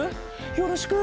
よろしく。